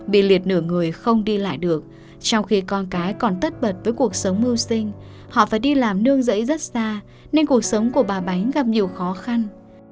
bị liệt nửa người không đi lại được trong khi con cái còn tất bật với cuộc sống mưu sinh họ phải đi làm nương dãy rất xa nên cuộc sống của bà bánh gặp nhiều khó khăn